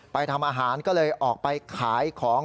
ทำอาหารก็เลยออกไปขายของ